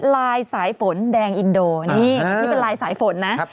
ไลน์สายฝนแดงอินโด่นี่เป็นไลน์สายฝนนะ